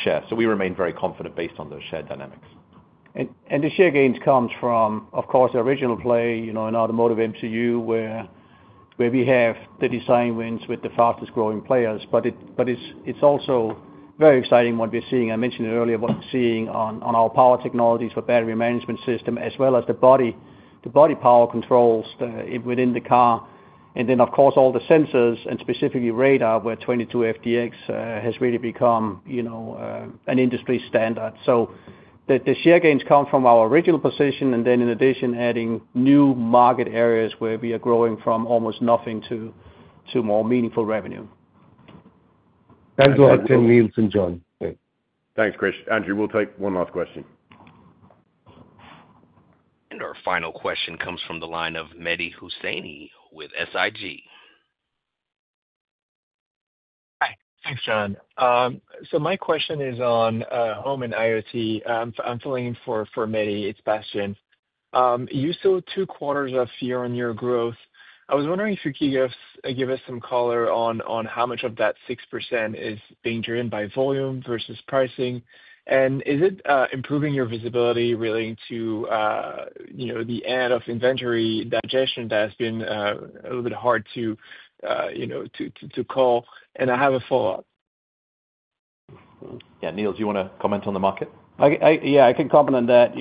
share. We remain very confident based on those shared dynamics. The share gains come from, of course, the original play in automotive MCU, where we have the design wins with the fastest growing players. It is also very exciting what we are seeing. I mentioned earlier what we are seeing on our power technologies for battery management system, as well as the body power controls within the car. Of course, all the sensors and specifically radar, where 22 FDX has really become an industry standard. The share gains come from our original position, and then in addition, adding new market areas where we are growing from almost nothing to more meaningful revenue. Thanks a lot, Tim, Niels, and John. Thanks, Chris. Andrew, we'll take one last question. Our final question comes from the line of Mehdi Husseini with SIG. Hi. Thanks, John. My question is on home and IoT. I'm filling in for Mehdi. It's Bastian. You saw two quarters of year-on-year growth. I was wondering if you could give us some color on how much of that 6% is being driven by volume versus pricing. Is it improving your visibility relating to the add of inventory digestion that has been a little bit hard to call? I have a follow-up. Yeah, Niels, do you want to comment on the market? Yeah, I can complement that.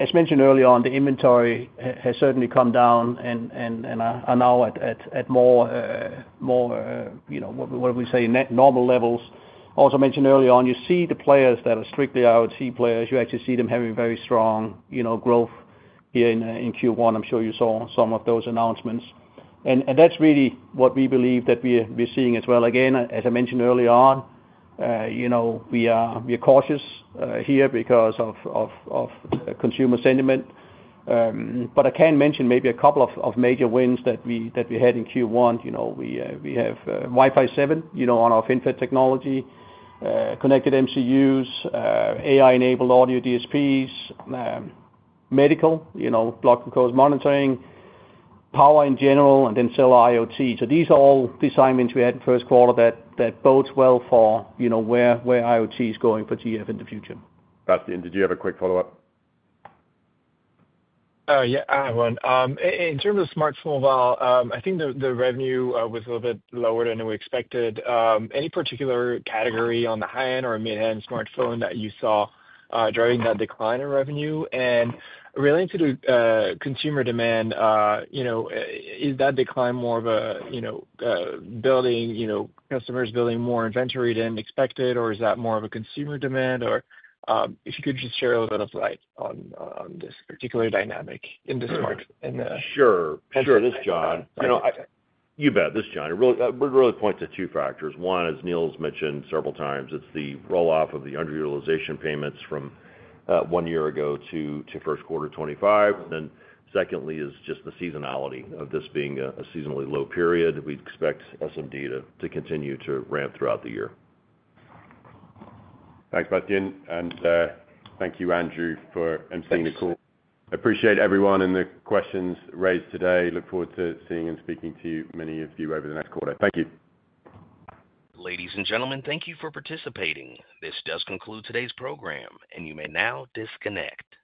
As mentioned earlier, the inventory has certainly come down, and now at more, what do we say, normal levels. Also mentioned earlier, you see the players that are strictly IoT players. You actually see them having very strong growth here in Q1. I'm sure you saw some of those announcements. That is really what we believe that we're seeing as well. Again, as I mentioned earlier, we are cautious here because of consumer sentiment. I can mention maybe a couple of major wins that we had in Q1. We have Wi-Fi 7 on our FinFET technology, connected MCUs, AI-enabled audio DSPs, medical, block-and-close monitoring, power in general, and then cell IoT. These are all design wins we had in first quarter that bodes well for where IoT is going for GF in the future. Bastian, did you have a quick follow-up? Yeah, I have one. In terms of smartphone mobile, I think the revenue was a little bit lower than we expected. Any particular category on the high-end or mid-end smartphone that you saw driving that decline in revenue? Related to consumer demand, is that decline more of a customers building more inventory than expected, or is that more of a consumer demand? If you could just share a little bit of light on this particular dynamic in the smartphone. Sure. Sure. This is John. You bet. This is John. It really points to two factors. One, as Niels mentioned several times, it is the roll-off of the underutilization payments from one year ago to first quarter 2025. Then secondly is just the seasonality of this being a seasonally low period. We expect SMD to continue to ramp throughout the year. Thanks, Bastian. Thank you, Andrew, for emceeing the call. I appreciate everyone and the questions raised today. Look forward to seeing and speaking to many of you over the next quarter. Thank you. Ladies and gentlemen, thank you for participating. This does conclude today's program, and you may now disconnect.